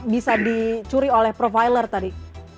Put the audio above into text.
bisa dicuri oleh profiler tadi